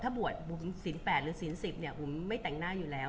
ถ้าบวชศิลปี่หรือศิลป์สิบผมไม่แต่งหน้าอยู่แล้ว